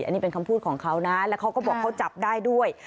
อันนี้เป็นคำพูดของเขานะแล้วเขาก็บอกเขาจับได้ด้วย